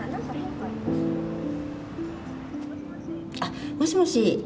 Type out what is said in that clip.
あっもしもし？